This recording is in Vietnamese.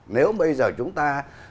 nếu bây giờ chúng ta